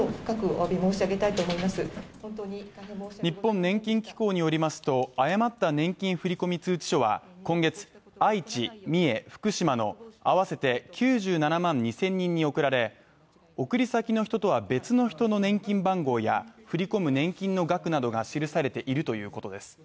日本年金機構によりますと、誤った年金振込通知書は今月、愛知、三重、福島の合わせて９７万２０００人に送られ送り先の人とは別の人の年金番号や振り込む年金の額などが記されているということです。